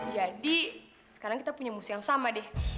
jadi sekarang kita punya musuh yang sama deh